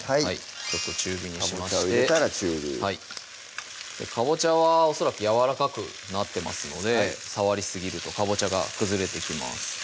ちょっと中火にしましてかぼちゃは恐らくやわらかくなってますので触りすぎるとかぼちゃが崩れてきます